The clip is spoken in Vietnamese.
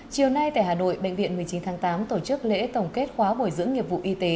chiều nay tại hà nội bệnh viện một mươi chín tháng tám tổ chức lễ tổng kết khóa bồi dưỡng nghiệp vụ y tế